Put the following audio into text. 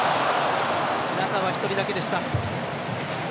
中は１人だけでした。